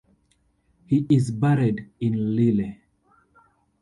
He is buried in Lille.